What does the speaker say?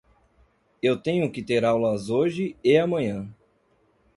Eu tenho que ter aulas hoje e amanhã.